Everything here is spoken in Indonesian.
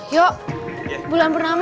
selama hidup raffi